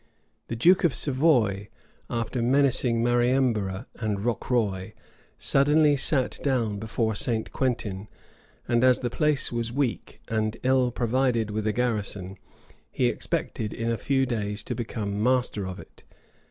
The duke of Savoy, after menacing Mariembourgh and Rocroy, suddenly sat down before St. Quintin: and as the place was weak, and ill provided with a garrison, he expected in a few days to become master of it.